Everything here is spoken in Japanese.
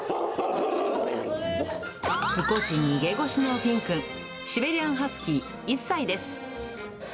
少し逃げ腰のフィンくん、シベリアンハスキー１歳です。